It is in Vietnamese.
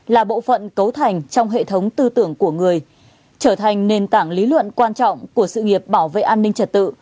là bộ phận cấu thành trong hệ thống tư tưởng của người trở thành nền tảng lý luận quan trọng của sự nghiệp bảo vệ an ninh trật tự